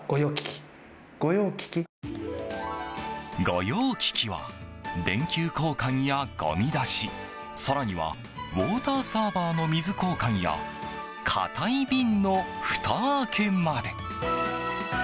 御用聞きは電球交換やごみ出し更には、ウォーターサーバーの水交換や固い瓶のふた開けまで。